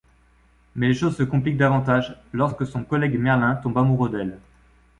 Mais les choses se compliquent davantage lorsque son collègue Merlin tombe amoureux d'elle...